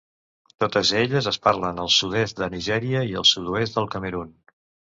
Totes elles es parlen al sud-est de Nigèria i al sud-oest del Camerun.